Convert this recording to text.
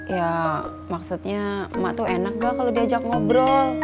ya maksudnya mak tuh enak enggak kalau diajak ngobrol